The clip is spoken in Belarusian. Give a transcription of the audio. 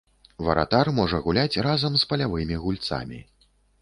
Варатар можа гуляць разам з палявымі гульцамі.